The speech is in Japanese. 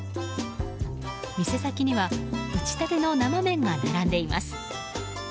店先には、打ちたての生麺が並んでいます。